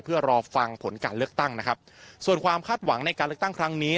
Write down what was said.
เพื่อรอฟังผลการเลือกตั้งนะครับส่วนความคาดหวังในการเลือกตั้งครั้งนี้